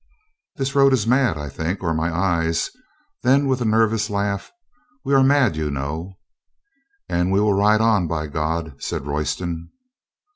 "This road is mad, I think, or my eyes." Then, with a nervous laugh, "We are mad, you know." "And we will ride on, by God," said Royston.